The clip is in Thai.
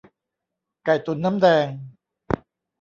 ไก่ตุ๋นน้ำแดง